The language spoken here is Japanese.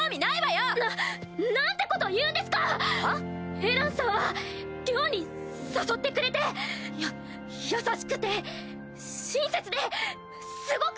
エランさんは寮に誘ってくれてや優しくて親切ですごく。